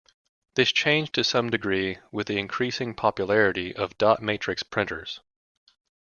This changed to some degree with the increasing popularity of dot matrix printers.